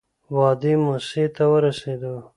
وادي موسی ته ورسېدو.